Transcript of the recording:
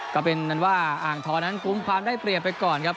ก็เป็นว่าอ่างทองนั้นกุมความได้เปรียบไปก่อนครับ